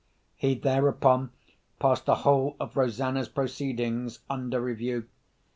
He thereupon passed the whole of Rosanna's proceedings under review.